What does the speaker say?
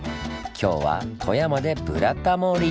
今日は富山で「ブラタモリ」！